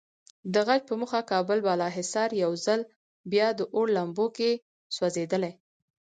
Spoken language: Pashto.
د غچ په موخه کابل بالاحصار یو ځل بیا د اور لمبو کې سوځېدلی.